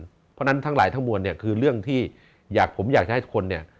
เพราะฉะนั้นทั้งหลายทั้งหมวนคือเรื่องที่ผมอยากให้ทุกคน